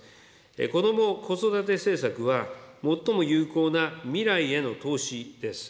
こども・子育て政策は、最も有効な未来への投資です。